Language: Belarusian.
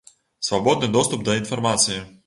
Свабодны доступ да інфармацыі.